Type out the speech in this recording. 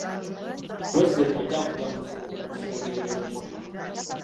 Pulezidenti atambulira mu luseregende lw'emmotoka.